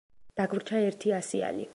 დაგვრჩა ერთი ასიანი.